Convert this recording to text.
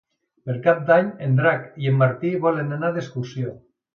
Per Cap d'Any en Drac i en Martí volen anar d'excursió.